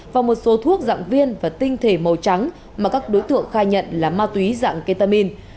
và một số thuốc dạng viên và tinh thể màu trắng mà các đối tượng khai nhận là ma túy dạng ketamin